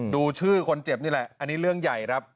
ดูชื่อคนเจ็บนี่แหละอันนี้เรื่องใหญ่ครับ